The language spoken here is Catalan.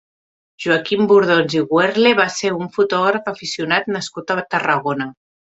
Joaquim Bordons i Wehrle va ser un fotògraf aficionat nascut a Tarragona.